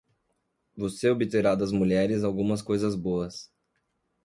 Você obterá das mulheres algumas coisas boas.